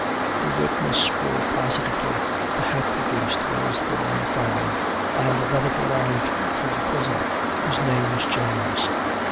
The witness swore positively the hat produced was the one found, and that it belonged to the prisoner, whose name was James.